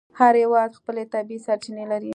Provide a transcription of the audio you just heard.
هر هېواد خپلې طبیعي سرچینې لري.